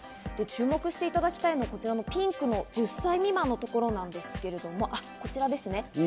注目していただきたいのはピンクの１０歳未満のところなんですけれども。